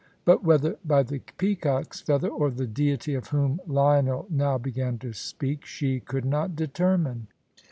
But whether by the peacock's feather, or the Deity of whom Lionel now began to speak, she could not determine.